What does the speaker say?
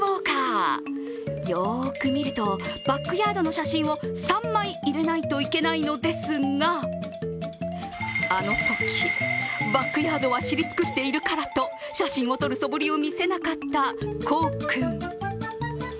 よーく見るとバックヤードの写真を３枚入れないといけないのですがあのとき、バックヤードは知り尽くしているからと写真を撮るそぶりを見せなかった幸生君。